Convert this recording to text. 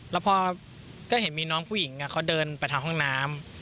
แล้วพอก็เห็นมีน้องผู้หญิงเขาเดินไปทางห้องน้ำ